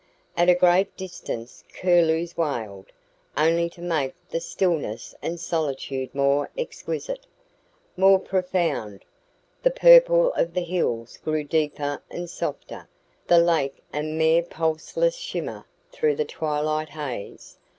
At a great distance curlews wailed, only to make the stillness and solitude more exquisite, more profound. The purple of the hills grew deeper and softer, the lake a mere pulseless shimmer through the twilight haze.